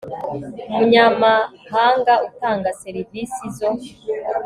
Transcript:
umunyamahanga utanga serivisi zo